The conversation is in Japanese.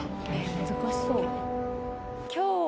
難しそう。